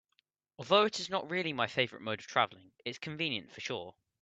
Although it is not really my favorite mode of traveling, it's convenient for sure.